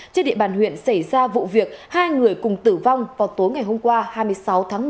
trên địa bàn huyện xảy ra vụ việc hai người cùng tử vong vào tối ngày hôm qua hai mươi sáu tháng năm